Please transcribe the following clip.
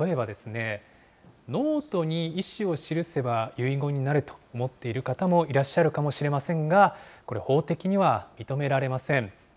例えばですね、ノートに意思を記せば遺言になると思っている方もいらっしゃるかもしれませんが、これ、法的には認められません。